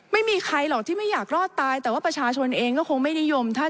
ไม่มีใครหรอกที่ไม่อยากรอดตายแต่ว่าประชาชนเองก็คงไม่นิยมท่าน